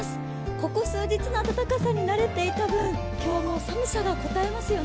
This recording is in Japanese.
ここ数日の温かさに慣れていた分、今日の寒さがこたえますよね。